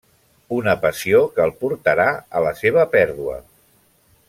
Una passió que el portarà a la seva pèrdua.